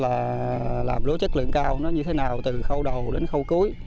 cho bà con mình cách làm lúa chất lượng cao như thế nào từ khâu đầu đến khâu cuối